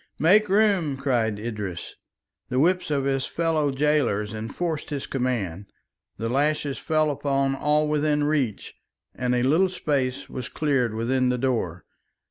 "Make room," cried Idris. The whips of his fellow gaolers enforced his command, the lashes fell upon all within reach, and a little space was cleared within the door.